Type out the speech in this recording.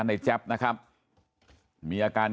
แจ๊บนะครับมีอาการ